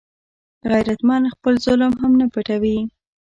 غیرتمند خپل ظلم هم نه پټوي